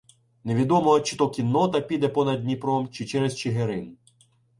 Невідомо, чи та кіннота піде понад Дніпром, чи через Чигирин.